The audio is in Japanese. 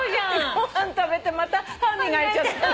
ご飯食べてまた歯磨いちゃったり。